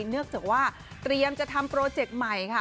เนื่องจากว่าเตรียมจะทำโปรเจกต์ใหม่ค่ะ